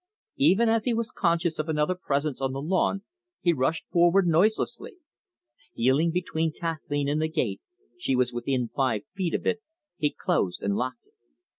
Even as he was conscious of another presence on the lawn, he rushed forward noiselessly. Stealing between Kathleen and the gate she was within five feet of it he closed and locked it.